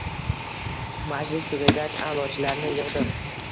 Majlis tugagach, a’lochilarni yig‘dim.